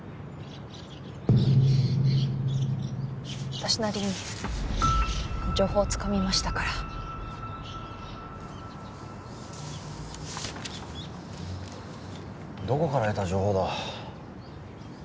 私なりに情報をつかみましたからどこから得た情報だ？